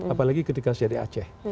apalagi ketika saya di aceh